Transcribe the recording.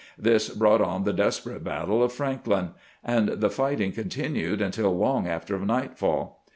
This brought on the des perate battle of Franklin, and the fighting continued until long after nightfall.